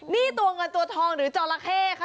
นี่ตัวเงินตัวทองหรือจอละเข้ค่ะ